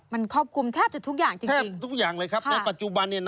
มันควบคุมแทบจะทุกอย่างจริง